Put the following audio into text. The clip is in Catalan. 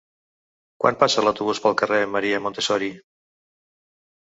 Quan passa l'autobús pel carrer Maria Montessori?